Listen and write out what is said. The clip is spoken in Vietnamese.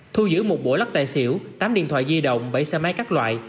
thu giữ một bộ lắc tài xỉu tám điện thoại di động bảy xe máy các loại